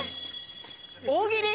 大喜利？